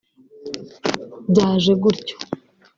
Byaje gutyo